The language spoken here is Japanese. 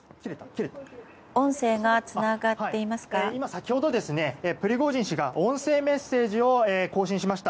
先ほど、プリゴジン氏が音声メッセージを更新しました。